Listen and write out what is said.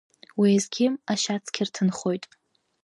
Уеизгьы ашьацқьа рҭынхоит.